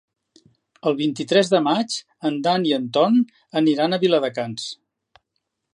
El vint-i-tres de maig en Dan i en Ton aniran a Viladecans.